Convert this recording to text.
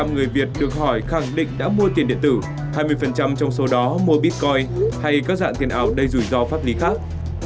ba mươi người việt được hỏi khẳng định đã mua tiền điện tử hai mươi trong số đó mua bitcoin hay các dạng tiền ảo đầy rủi ro pháp lý khác